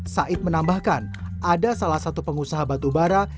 said menambahkan ada salah satu pengusaha batubara